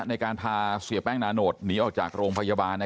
ในการพาเสียแป้งนาโนตหนีออกจากโรงพยาบาล